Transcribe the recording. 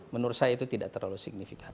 menurut saya itu tidak terlalu signifikan